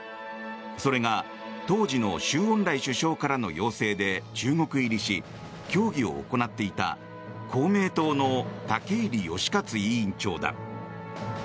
それが当時の周恩来首相からの要請で中国入りし協議を行っていた公明党の竹入義勝委員長だ。